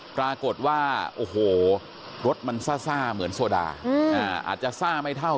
ปรากฏว่าโอ้โหรถมันซ่าเหมือนโซดาอาจจะซ่าไม่เท่า